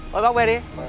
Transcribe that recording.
mời bác về đi